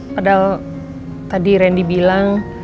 padahal tadi randy bilang